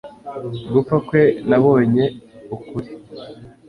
gupfa kwe nabonye ukuri